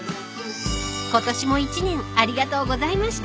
［ことしも一年ありがとうございました］